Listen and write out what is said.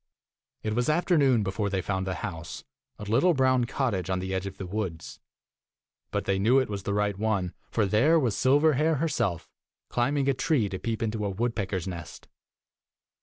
It was afternoon before they found the house, a little brown cottage on the edge of the woods ; but they knew it was the right one, for there was Silverhair herself, climbing a tree to peep into a woodpecker's nest.